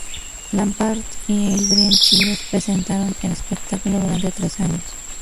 Lampard y Adrian Chiles presentaron el espectáculo durante tres años.